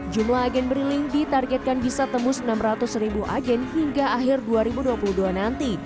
jumlah agen briling ditargetkan bisa tembus enam ratus ribu agen hingga akhir dua ribu dua puluh dua nanti